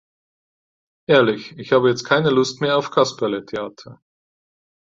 Ehrlich, ich habe jetzt keine Lust mehr auf Kasperletheater.